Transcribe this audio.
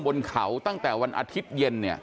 เพื่อนบ้านเจ้าหน้าที่อำรวจกู้ภัย